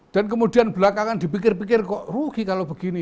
dan kemudian belakangan dipikir pikir kok rugi kalau begini